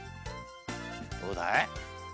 どうだい？